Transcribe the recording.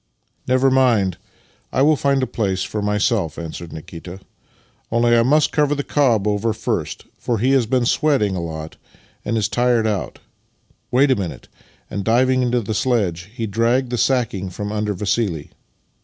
" Never mind; I will f:nd a place for myself/' answered Nikita. " Only, I must cover the cob over first, for he has been sweating a lot and is tired out. Wait a minute" — and. diving into the sledge, he dragged the sacking from under Vassili.